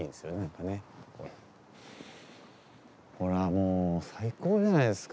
もう最高じゃないですか。